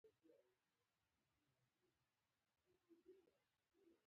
د نجونو تعلیم د هیواد لپاره یوه لویه پانګونه ده.